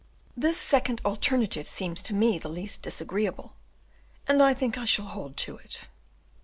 This second alternative seems to me the least disagreeable, and I think I shall hold to it."